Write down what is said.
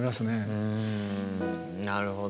うんなるほど。